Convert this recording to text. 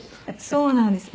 そうなんです。